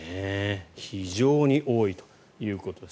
非常に多いということです。